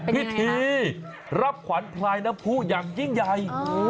พิธีรับขวัญพลายน้ำผู้อย่างยิ่งใหญ่